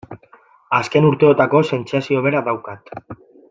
Azken urteotako sentsazio bera daukat.